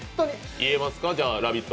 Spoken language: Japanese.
言えますか、「ラヴィット！」